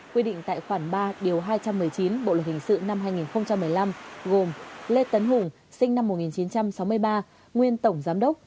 quy định tại khoản ba điều hai trăm một mươi chín bộ luật hình sự năm hai nghìn một mươi năm gồm lê tấn hùng sinh năm một nghìn chín trăm sáu mươi ba nguyên tổng giám đốc